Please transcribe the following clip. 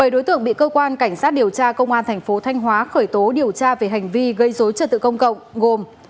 bảy đối tượng bị cơ quan cảnh sát điều tra công an tp thanh hóa khởi tố điều tra về hành vi gây dối trật tự công cộng gồm